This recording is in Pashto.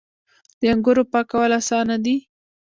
د انګورو پاکول اسانه دي.